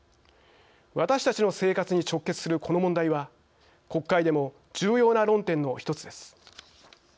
私たちの生活に直結するこの問題は国会でも重要な論点の１つです。